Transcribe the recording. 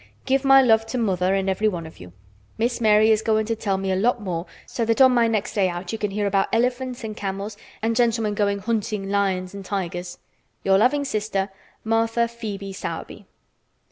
Give my love to mother and everyone of you. Miss Mary is going to tell me a lot more so that on my next day out you can hear about elephants and camels and gentlemen going hunting lions and tigers. "Your loving sister, "Martha Phœbe Sowerby."